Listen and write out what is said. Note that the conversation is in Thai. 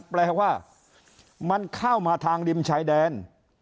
แปลว่ามันเข้ามาทางริมชายแดน